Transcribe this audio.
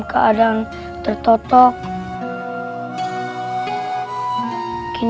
kau tidak perlu takut